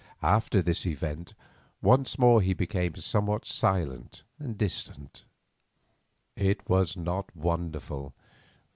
After this event once more he became somewhat silent and distant. It was not wonderful.